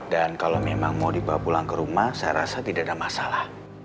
dan kalau memang mau dibawa pulang ke rumah saya rasa tidak ada masalah